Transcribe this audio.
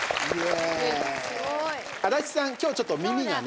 足立さん、今日ちょっと耳がね。